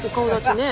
ねえ。